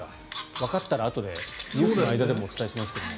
わかったらあとでニュースの間でもお伝えしますけども。